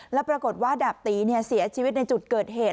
แล้วปรากฏว่าดาบตีเสียชีวิตในจุดเกิดเหตุ